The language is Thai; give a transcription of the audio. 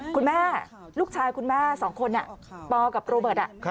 คุณแม่ลูกชายคุณแม่๒คนปกับโรเบิร์ต